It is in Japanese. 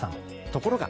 ところが。